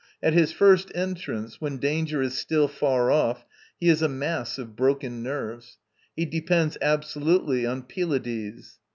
At his first entrance, when danger is still far off, he is a mass of broken nerves; he depends absolutely on Pylades.